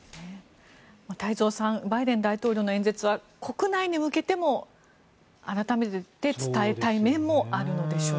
太蔵さんバイデン大統領の演説は国内に向けても、改めて伝えたい面もあるのでしょうか。